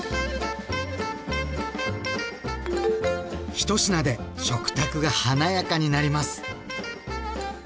１品で食卓が華やかになります。